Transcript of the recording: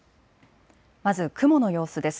まず雲の様子です。